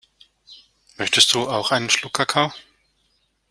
Möchtest du auch einen Schluck Kakao?